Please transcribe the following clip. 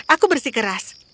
aku bersih keras